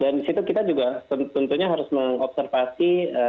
dan di situ kita juga tentunya harus mengobservasi